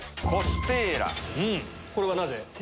これはなぜ？